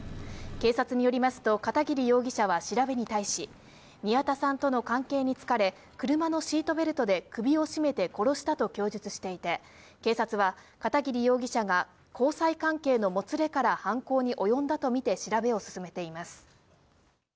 警察によりますと片桐容疑者は調べに対し、宮田さんとの関係に疲れ、車のシートベルトで首を絞めて殺したと供述していて、警察は片桐容疑者が交際関係のもつれから犯行に及んだとみて調べを進めています。